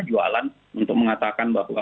jualan untuk mengatakan bahwa